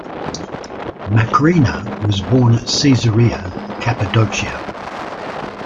Macrina was born at Caesarea, Cappadocia.